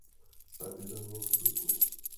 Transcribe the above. Pravidelně publikuje.